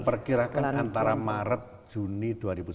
saya kirakan antara maret juni dua ribu sembilan belas